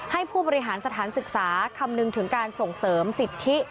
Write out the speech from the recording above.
ผู้บริหารสถานศึกษาคำนึงถึงการส่งเสริมสิทธิ